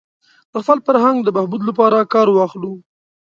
د خپل فرهنګ د بهبود لپاره کار واخلو.